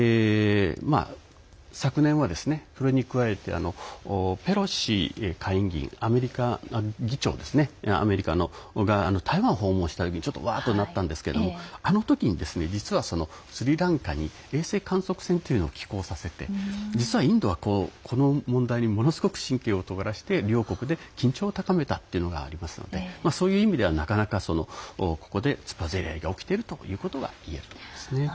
昨年は、それに加えてアメリカのペロシ下院議長が台湾を訪問した時、ちょっとわーっとなったんですけどあの時に、実はスリランカに衛星観測船というのを寄港させて実はインドはこの問題に、ものすごく神経を尖らせて両国で緊張を高めたということがありましたのでそういう意味ではここでつばぜり合いが起きているということがいえるということですね。